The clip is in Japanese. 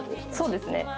そうですね